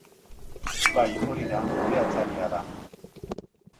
Bai, hori da, kudeatzailea da.